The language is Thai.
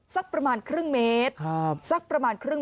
สักประมาณครึ่งเมตร